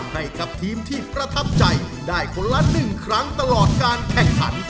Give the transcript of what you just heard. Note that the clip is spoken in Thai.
ให้กับทีมที่ประทับใจได้คนละ๑ครั้งตลอดการแข่งขัน